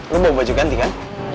lo bawa baju ganti kan